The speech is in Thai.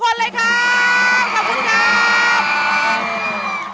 ขอบคุณครับ